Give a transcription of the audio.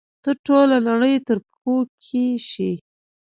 ته ټوله نړۍ تر پښو کښی شي